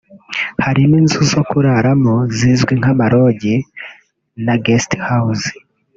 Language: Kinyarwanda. harimo inzu zo kuraramo zizwi nk’ama lodges na guest houses